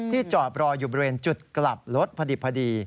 จอดรออยู่บริเวณจุดกลับรถพอดี